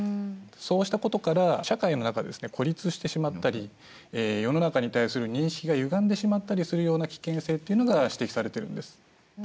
そうしたことから社会の中で孤立してしまったり世の中に対する認識がゆがんでしまったりするような危険性っていうのが指摘されてるんです。